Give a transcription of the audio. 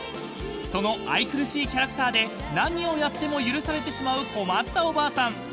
［その愛くるしいキャラクターで何をやっても許されてしまう困ったおばあさん］